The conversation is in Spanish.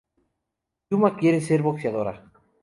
Yuma quiere ser boxeadora.